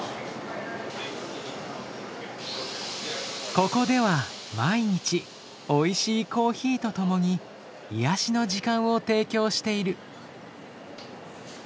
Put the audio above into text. ここでは毎日おいしいコーヒーと共に癒やしの時間を提供している。